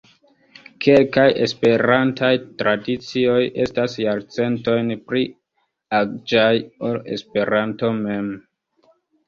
Kelkaj Esperantaj tradicioj estas jarcentojn pli aĝaj ol Esperanto mem.